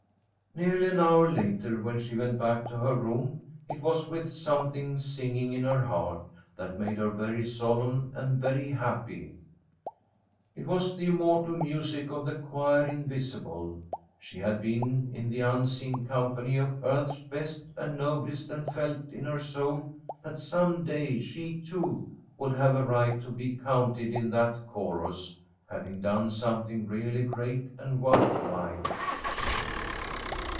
Nearly an hour later, when she went back to her room, it was with something singing in her heart that made her very solemn and very happy. It was the immortal music of the Choir Invisible. She had been in the unseen company of earth's best and noblest, and felt in her soul that some day she, too, would have a right to be counted in that chorus, having done something really great and worth while.